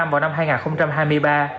sáu vào năm hai nghìn hai mươi ba